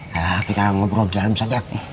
ya kita ngobrol di dalam saja